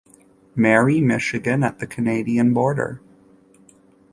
Marie, Michigan, at the Canadian border.